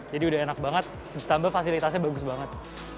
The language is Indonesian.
jadi sudah enak banget ditambah fasilitasnya bagus banget